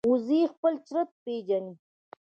وزې خپل چرته پېژني